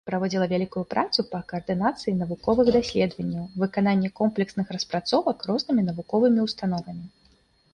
Праводзіла вялікую працу па каардынацыі навуковых даследаванняў, выкананні комплексных распрацовак рознымі навуковымі ўстановамі.